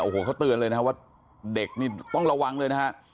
โอ้โหเขาเตือนเลยนะว่าเด็กนี่ต้องระวังเลยนะฮะ